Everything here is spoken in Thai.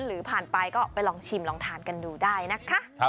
หรือผ่านไปก็ไปลองชิมลองทานกันดูได้นะคะ